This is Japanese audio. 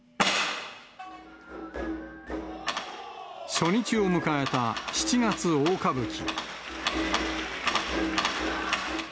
初日を迎えた七月大歌舞伎。